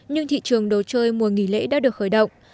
nhưng thị trường đồ chơi mùa nghỉ lễ đã được khởi động